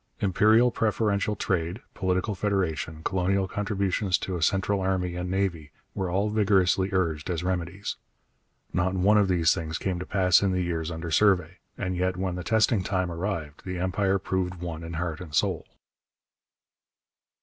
Imperial preferential trade, political federation, colonial contributions to a central army and navy, were all vigorously urged as remedies. Not one of these things came to pass in the years under survey, and yet when the testing time arrived the Empire proved one in heart and soul.